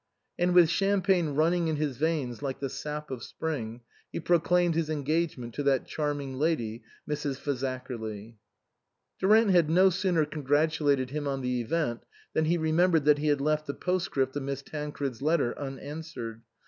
And with champagne running in his veins like the sap of spring, he proclaimed his engagement to that charming lady, Mrs. Fazakerly. Durant had no sooner congratulated him on the event than he remembered that he had left the postscript of Miss Tancred's letter un answered.